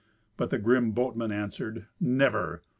But the grim boatman answered, "Never!"